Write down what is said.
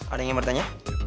ada yang mau bertanya